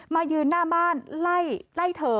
มายืนหน้าบ้านไล่เธอ